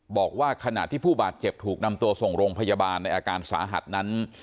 บอกว่าขณะที่ผู้บาดเจ็บถูกนำตัวส่งโรงพยาบาลในอาการสาหัสนั้น